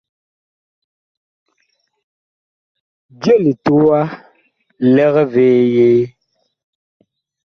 Je litowa lig vee yee ?